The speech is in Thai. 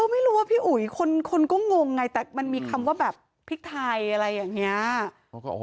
ไม่รู้ว่าพี่อุ๋ยคนก็งงไงแต่มันมีคำว่าแบบพริกไทยอะไรอย่างนี้